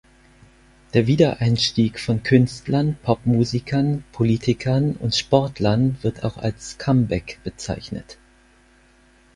Der Wiedereinstieg von Künstlern, Popmusikern, Politikern und Sportlern wird auch als Comeback bezeichnet.